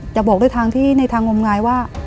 จะบอกด้วยทางที่ในทางงมงายว่า